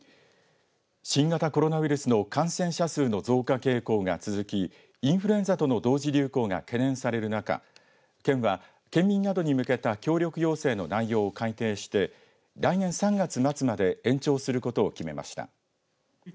新型コロナウイルスの感染者数の増加傾向が続きインフルエンザとの同時流行が懸念される中県は、県民などに向けた協力要請の内容を改訂して来年３月末まで延長することを決めました。